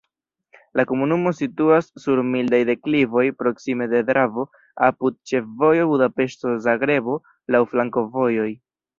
La komunumo situas sur mildaj deklivoj, proksime de Dravo, apud ĉefvojo Budapeŝto-Zagrebo, laŭ flankovojoj.